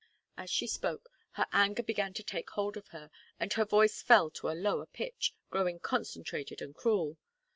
As she spoke, her anger began to take hold of her, and her voice fell to a lower pitch, growing concentrated and cruel.